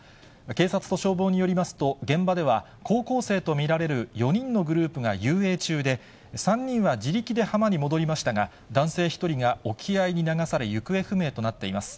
警察と消防によりますと、現場では高校生と見られる４人のグループが遊泳中で、３人は自力で浜に戻りましたが、男性１人が沖合に流され、行方不明となっています。